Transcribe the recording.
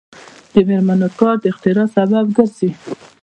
د میرمنو کار د اختراع سبب ګرځي.